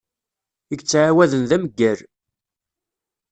I yettɛawaden d ameyyal.